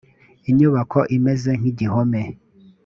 inyubako imeze nk igihome